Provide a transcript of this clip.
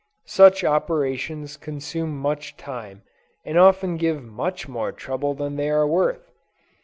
Such operations consume much time, and often give much more trouble than they are worth.